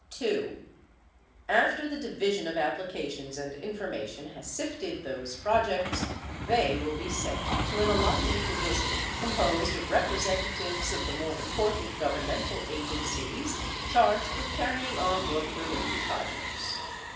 (2) After the Division of Applications and Information has sifted those projects, they will be sent to an Allotment Division composed of representatives of the more important governmental agencies charged with carrying on work relief projects.